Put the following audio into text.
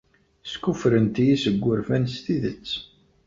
Skuffuten-iyi seg wurfan s tidet.